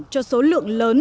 cho số lượng lớn